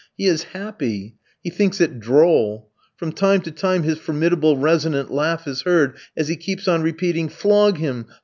He is happy. He thinks it droll. From time to time his formidable resonant laugh is heard, as he keeps on repeating, "Flog him!